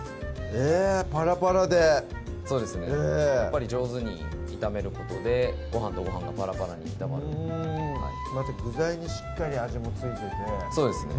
えぇパラパラでそうですねやっぱり上手に炒めることでご飯とご飯がパラパラに炒まるまた具材にしっかり味も付いててそうですね